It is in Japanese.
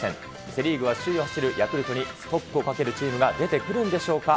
セ・リーグは首位を走るヤクルトにストップをかけるチームが出てくるんでしょうか。